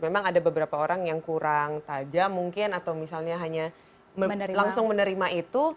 memang ada beberapa orang yang kurang tajam mungkin atau misalnya hanya langsung menerima itu